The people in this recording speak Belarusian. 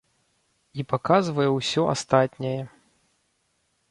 І паказвае ўсё астатняе.